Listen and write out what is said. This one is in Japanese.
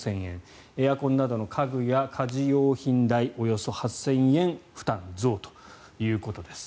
エアコンなどの家具や家事用品代およそ８０００円負担増ということです。